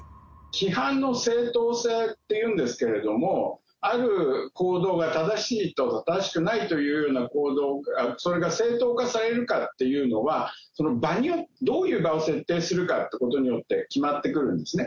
規範の正当性というんですけれども、ある行動が正しいとか正しくないというような行動、それが正当化されるかっていうのは、どういう場を設定するかってことによって決まってくるんですね。